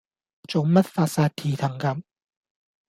做乜發哂蹄騰咁